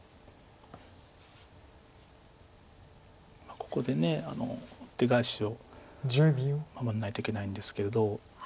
ここででかい石を守らないといけないんですけれど。